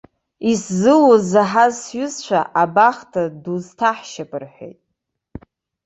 Исзылуз заҳаз сҩызцәа, абахҭа дузҭаҳшьып, рҳәеит.